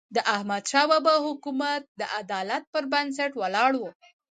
د احمدشاه بابا حکومت د عدالت پر بنسټ ولاړ و.